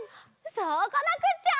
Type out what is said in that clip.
そうこなくっちゃ！